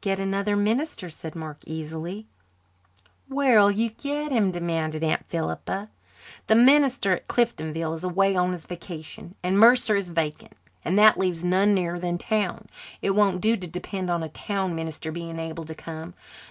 "Get another minister," said Mark easily. "Where'll you get him?" demanded Aunt Philippa. "The minister at Cliftonville is away on his vacation, and Mercer is vacant, and that leaves none nearer than town. It won't do to depend on a town minister being able to come.